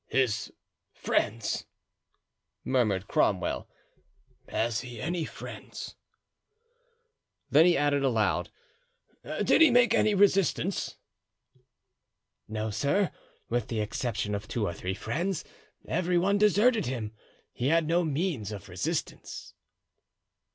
"His friends!" murmured Cromwell. "Has he any friends?" Then he added aloud, "Did he make any resistance?" "No, sir, with the exception of two or three friends every one deserted him; he had no means of resistance."